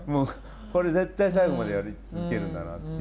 これ絶対最後までやり続けるんだなっていう。